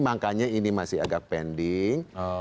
makanya ini masih agak pending